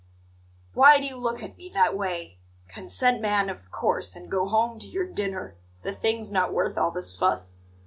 Why do you look at me that way? Consent, man, of course, and go home to your dinner; the thing's not worth all this fuss.